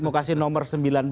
mau kasih nomor sembilan belas